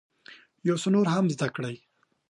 یو څه نور هم زده کړئ.